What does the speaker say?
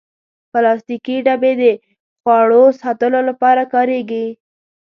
پلاستيکي ډبې د خواړو ساتلو لپاره کارېږي.